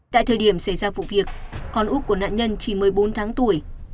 tại thời điểm xảy ra vụ việc con úp của nạn nhân chỉ một mươi bốn tháng tuổi